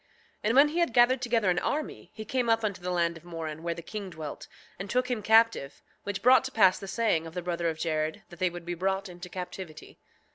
7:5 And when he had gathered together an army he came up unto the land of Moron where the king dwelt, and took him captive, which brought to pass the saying of the brother of Jared that they would be brought into captivity.